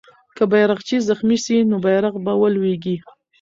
که بیرغچی زخمي سي، نو بیرغ به ولويږي.